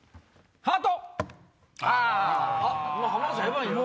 ハート！